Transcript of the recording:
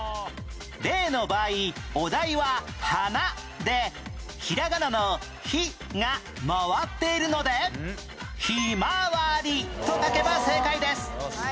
例の場合お題は「花」でひらがなの「ひ」が回っているのでひまわりと書けば正解です